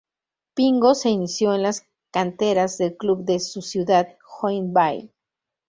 Pingo se inició en las canteras del club de su ciudad, Joinville.